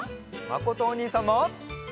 まことおにいさんも！